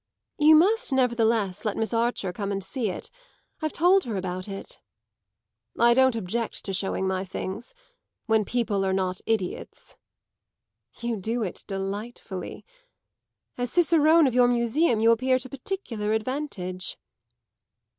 "You must nevertheless let Miss Archer come and see it. I've told her about it." "I don't object to showing my things when people are not idiots." "You do it delightfully. As cicerone of your museum you appear to particular advantage."